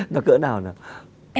nó cỡ nào nè